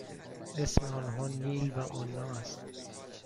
اسم آنها نیل و آنا است.